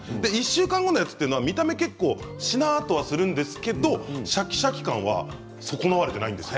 １週間後のやつは見た目しなっとするんですけどシャキシャキ感は損なわれていないんです。